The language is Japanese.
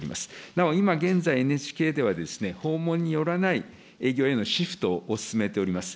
なお、今現在、ＮＨＫではですね、訪問によらない営業へのシフトを進めております。